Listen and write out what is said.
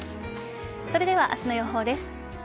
それでは、明日の予報です。